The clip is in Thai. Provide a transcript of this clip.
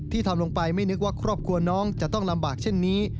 ทำลงไปไม่นึกว่าครอบครัวน้องจะต้องลำบากเช่นนี้